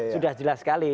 sudah jelas sekali